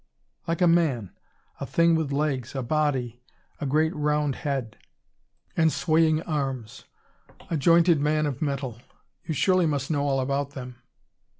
"Like a man. A thing with legs, a body, a great round head and swaying arms. A jointed man of metal! You surely must know all about them."